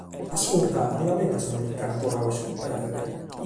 Ascurta, a ti l’ammentas cando ti nch’ant torradu a iscobèrrere?